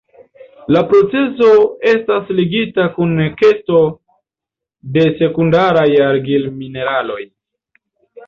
La procezo estas ligita kun ekesto de sekundaraj argil-mineraloj.